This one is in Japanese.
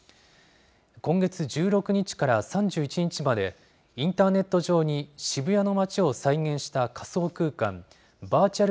今月１６日から３１日まで、インターネット上に渋谷の街を再現した仮想空間、バーチャル